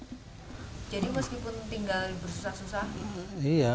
jadi meskipun tinggal bersusah susah